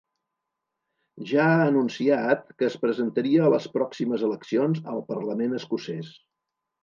Ja ha anunciat que es presentaria a les pròximes eleccions al parlament escocès.